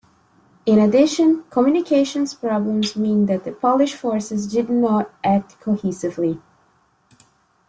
In addition, communications problems meant that the Polish forces did not act cohesively.